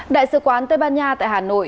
đại sứ quán tây ban nha tại hà nội